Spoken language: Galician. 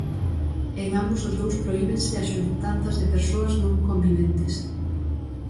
En ambos os dous prohíbense as xuntanzas de persoas non conviventes.